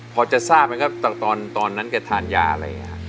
พอจะทราบตอนนั้นแกทานยายังไง